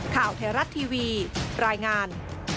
ข่าวไทยรัฐทีวีรายงาน